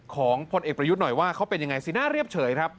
พลเอกประยุทธ์หน่อยว่าเขาเป็นยังไงสีหน้าเรียบเฉยครับ